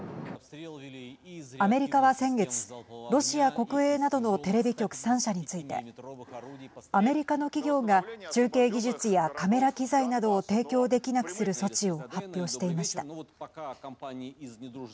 アメリカは先月ロシア国営などのテレビ局３社についてアメリカの企業が中継技術やカメラ機材などを提供できなくする措置を発表していました。